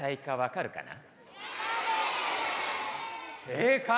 正解！